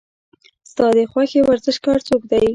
ستا د خوښې ورزشکار څوک دی؟